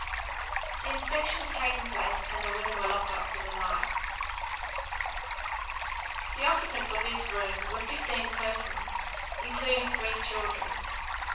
The inspection had taken place and the women were locked up for the night. The occupants of this room were 15 persons, including three children.